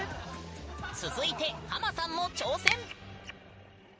続いてハマさんも挑戦！